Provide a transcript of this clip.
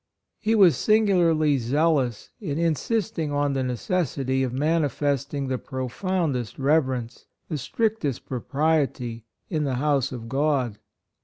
He was singularly zealous in in sisting on the necessity of mani festing the profoundest reverence, the strictest propriety in the hous^ of God.